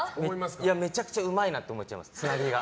めちゃくちゃうまいなと思っちゃいます、つなぎが。